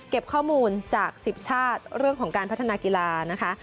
ข้อมูลจาก๑๐ชาติเรื่องของการพัฒนากีฬานะคะ